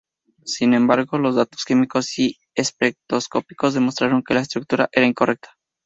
Sin embargo, los datos químicos y espectroscópicos demostraron que la estructura era incorrecta.